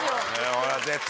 俺は絶対。